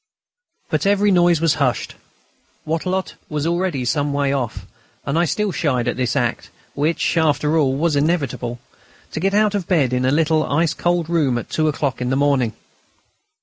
But every noise was hushed. Wattrelot was already some way off, and I still shied at this act, which, after all, was inevitable: to get out of bed in a little ice cold room at two o'clock in the morning.